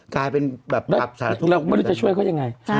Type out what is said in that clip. กลายเป็นแบบสาธารณะทุกอย่างนี้แหละครับใช่แล้วเราจะช่วยเขาอย่างไร